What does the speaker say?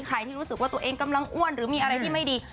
ใครที่รู้สึกว่าตัวเองกำลังอ้วนหรือมีอะไรที่ไม่ดี